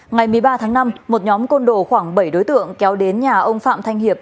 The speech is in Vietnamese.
ngày một mươi ba tháng năm một nhóm côn đồ khoảng bảy đối tượng kéo đến nhà ông phạm thanh hiệp